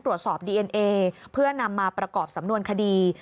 ตรวจสอบดีเอ็นเอเพื่อนำมาประกอบสำนวนคดี